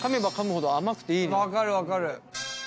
分かる分かる。